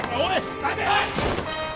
待て！